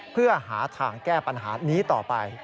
เพื่อหาทางแก้ปัญหานี้ต่อไป